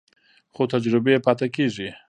خو تجربې پاتې کېږي.